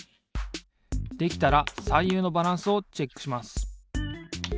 できたらさゆうのバランスをチェックします。